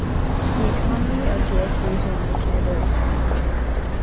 The economy of York Region is diverse.